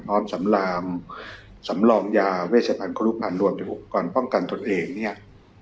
พร้อมสำรามสำรองยาเวชภัณฑ์ครุฑมาร์รวมเป็นอุปกรณ์ป้องกันตนเองเนี้ย